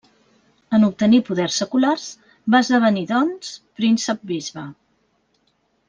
En obtenir poders seculars, va esdevenir doncs príncep-bisbe.